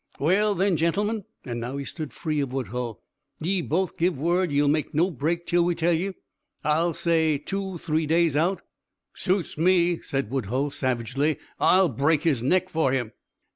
"Well then, gentle_men_" and now he stood free of Woodhull "ye both give word ye'll make no break till we tell ye? I'll say, two three days out?" "Suits me," said Woodhull savagely. "I'll break his neck for him."